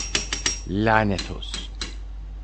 Lânet olsun!